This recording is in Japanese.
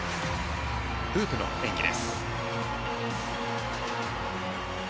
フープの演技です。